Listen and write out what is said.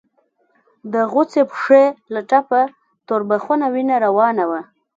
د غوڅې پښې له ټپه تور بخونه وينه روانه وه.